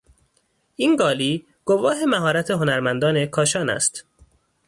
این قالی گواه مهارت هنرمندان کاشان است.